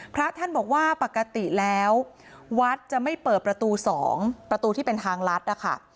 พระท่านบอกว่าปกติแล้ววัดจะไม่เปิดประตู๒ประตูที่เป็นทางลัดนะคะ